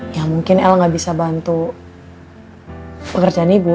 ya mungkin el nggak bisa bantu pekerjaan ibu